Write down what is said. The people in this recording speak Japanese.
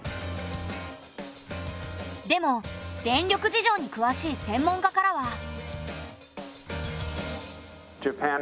でも電力事情にくわしい専門家からは。